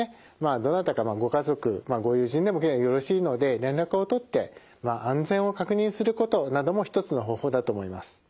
どなたかご家族ご友人でもよろしいので連絡をとって安全を確認することなども一つの方法だと思います。